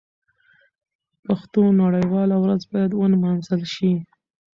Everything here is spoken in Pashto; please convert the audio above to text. د پښتو نړیواله ورځ باید ونمانځل شي.